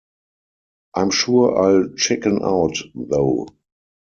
I'm sure I'll chicken out though.